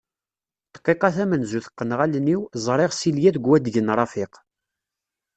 Dqiqa tamenzut qqneɣ allen-iw, ẓriɣ Silya deg wadeg n Rafiq.